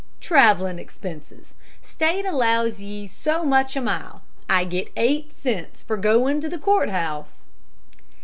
"Travelin' expenses. State allows ye so much a mile. I get eight cents for goin' to the courthouse."